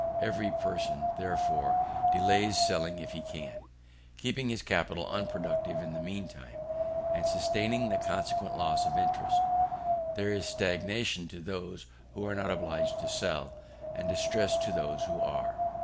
Every person, therefore, delays selling if he can, keeping his capital unproductive in the mean time, and sustaining the consequent loss of interest. There is stagnation to those who are not obliged to sell, and distress to those who are.